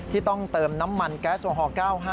ต้องเติมน้ำมันแก๊สโอฮอล๙๕